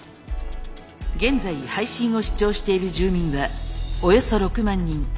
現在配信を視聴している住民はおよそ６万人。